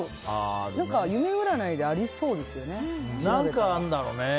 何か夢占いでありそうですよね。